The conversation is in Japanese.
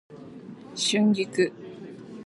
春菊